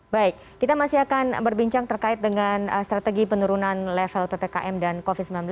baik kita masih akan berbincang terkait dengan strategi penurunan level ppkm dan covid sembilan belas